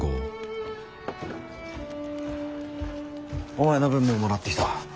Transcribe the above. おお！お前の分ももらってきた。